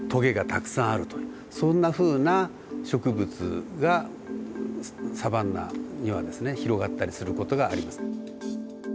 そんなふうな植物がサバンナにはですね広がったりする事があります。